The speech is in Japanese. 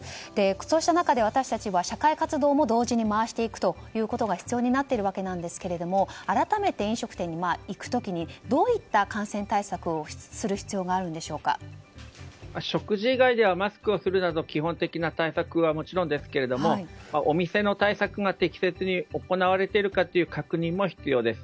そうした中で私たちは社会活動も同時に回していくことが必要になっていますが改めて飲食店に行く時にどういった感染対策をする食事以外ではマスクをするなど基本的な対策はもちろんですけどお店の対策が適切に行われているかという確認も必要です。